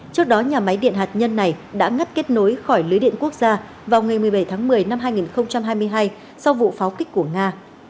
trước đó nhà máy điện hạt nhân này đã ngắt kết nối khỏi lưới điện quốc gia vào ngày một mươi bảy tháng một mươi năm hai nghìn hai mươi hai sau vụ pháo kích của nga